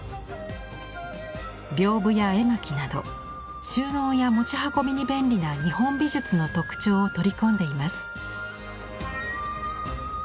屏風や絵巻など収納や持ち運びに便利な日本美術の特徴を取り込んでいます。